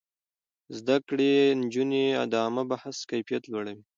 زده کړې نجونې د عامه بحث کيفيت لوړوي.